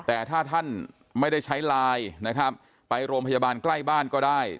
แต่ถ้าท่านไม่ได้ใช้ไลน์นะครับไปโรงพยาบาลใกล้บ้านก็ได้